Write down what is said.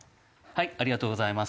ありがとうございます。